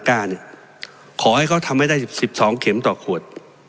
ขอให้เขาทำให้ได้๑๒เข็มต่อขวด